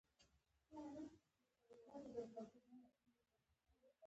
هغه ځکه چی کندوز کی د هر قام او هری ژبی خلک ژوند کویی.